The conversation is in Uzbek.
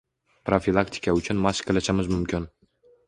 Profilaktika uchun mashq qilishimiz mumkin.